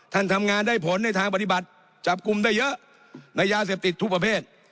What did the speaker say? ทำงานได้ผลในทางปฏิบัติจับกลุ่มได้เยอะในยาเสพติดทุกประเภท